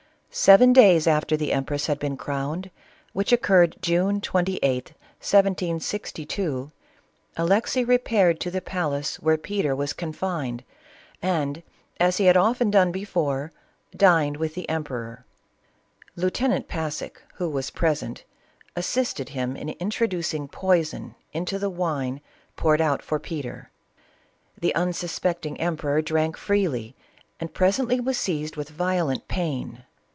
Seven days after the empress had been crowned, which occurred June 28th, 1762, Alexey repaired to the palace where Peter was confined, and, as he had often done before, dined with the emperor. Lieutenant Passek, who was present, assisted him in introducing poison into the wine poured out for Peter. The unsuspecting emperor drank freely and presently was seized with violent pain.